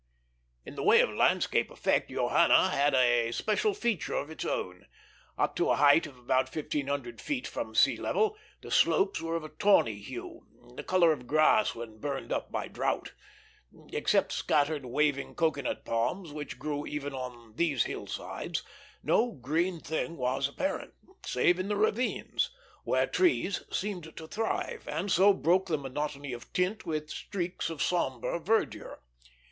In the way of landscape effect, Johanna had a special feature of its own. Up to a height of about fifteen hundred feet from the sea level, the slopes were of a tawny hue, the color of grass when burned up by drought. Except scattered waving cocoanut palms which grew even on these hill sides, no green thing was apparent, save in the ravines, where trees seemed to thrive, and so broke the monotony of tint with streaks of sombre verdure.